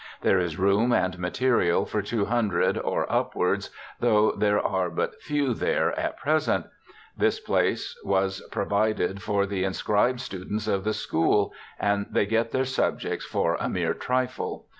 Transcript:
There is room and material for 200 or upwards, though there are but few there at present ; this place was provided for the inscribed students of the school, and they get their subjects for a mere trifle.